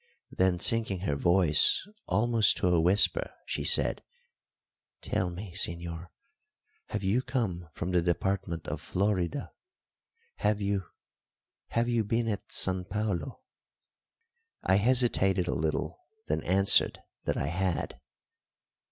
Then, sinking her voice almost to a whisper, she said: "Tell me, señor, have you come from the department of Florida? Have you have you been at San Paulo?" I hesitated a little, then answered that I had.